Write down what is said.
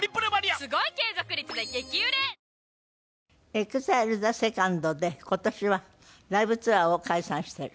ＥＸＩＬＥＴＨＥＳＥＣＯＮＤで今年はライブツアーを開催している。